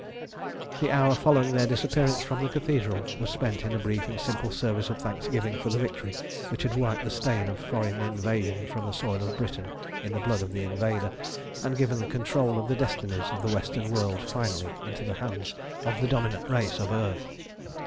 The hour following their disappearance from the Cathedral was spent in a brief and simple service of thanksgiving for the victory which had wiped the stain of foreign invasion from the soil of Britain in the blood of the invader, and given the control of the destinies of the Western world finally into the hands of the dominant race of earth.